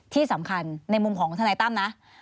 ที่สำคัญในมุมของทนายตั้มนะ